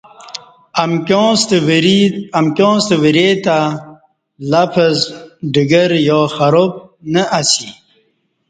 "امکیاں ستہ ورے تہ لفظ ڈگر یا خراب"" نہ اسی"